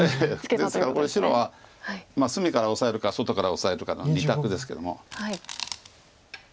ですからこれ白は隅からオサえるか外からオサえるかの２択ですけども。